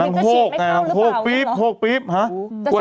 นวงตเลียกโดยฉีดเห็ดงั้นหรือเปล่า